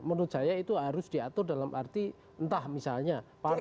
menurut saya itu harus diatur dalam arti entah misalnya partai